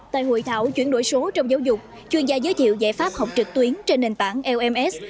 tại hội thảo chuyển đổi số trong giáo dục chuyên gia giới thiệu giải pháp học trực tuyến trên nền tảng lms